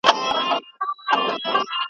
نه دخپل نه د پردو یم